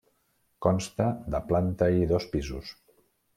Consta de planta i dos pisos.